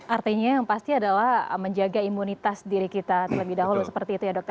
artinya yang pasti adalah menjaga imunitas diri kita terlebih dahulu seperti itu ya dokter